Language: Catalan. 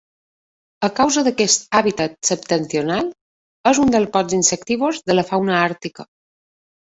A causa d'aquest hàbitat septentrional, és un dels pocs insectívors de la fauna àrtica.